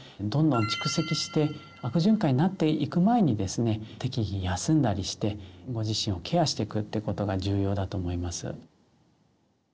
どんどん蓄積して悪循環になっていく前にですね適宜休んだりしてご自身をケアしていくってことが重要だと思います。